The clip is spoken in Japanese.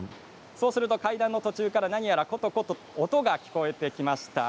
そうすると階段の途中から何やら、ことこと音が聞こえてきました。